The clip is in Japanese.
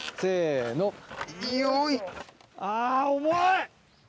あ重い！